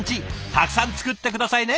たくさん作ってくださいね！